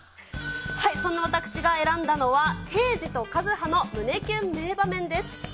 そんな私が選んだのは、平次と和葉の胸キュン名場面です。